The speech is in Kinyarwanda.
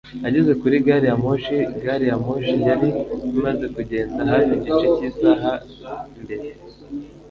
Ageze kuri gari ya moshi gari ya moshi yari imaze kugenda hafi igice cyisaha mbere